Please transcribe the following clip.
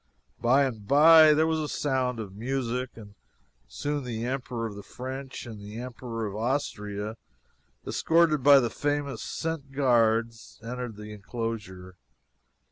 By and by there was a sound of music, and soon the Emperor of the French and the Emperor of Austria, escorted by the famous Cent Gardes, entered the enclosure.